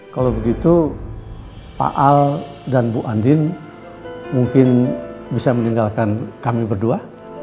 kalau begitu pak al dan bu andin mungkin bisa meninggalkan kami berdua